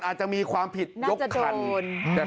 อาจจะมีความผิดยกคันน่าจะโดน